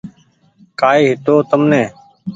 ڪآئي هيتو تمني